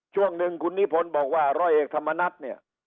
ช่วงหนึ่งคุณนิพนธ์บอกว่าร้อยเอกธรรมนัฐเนี่ย